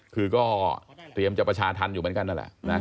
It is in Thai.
คือก็เตรียมจะประชาธรรมอยู่เหมือนกันนั่นแหละนะ